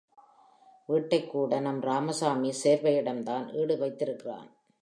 வீட்டைக்கூட நம் ராமசாமி சேர்வையிடம்தான் ஈடு வைத்திருக்கிருன்.